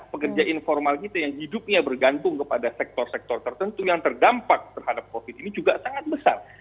pekerja informal kita yang hidupnya bergantung kepada sektor sektor tertentu yang terdampak terhadap covid ini juga sangat besar